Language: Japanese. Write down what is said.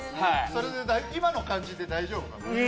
それで今の感じで大丈夫かな？